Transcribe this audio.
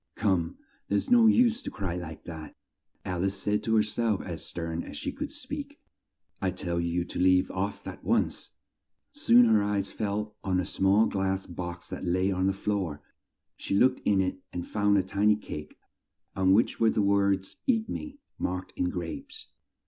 "Come, there's no use to cry like that!" Al ice said to her self as stern as she could speak. "I tell you to leave off at once!" Soon her eyes fell on a small glass box that lay on the floor. She looked in it and found a tiny cake on which were the words "Eat me," marked in grapes.